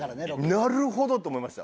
「なるほど！」と思いました。